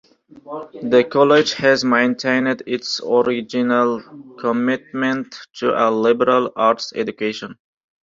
The college has maintained its original commitment to a liberal arts education.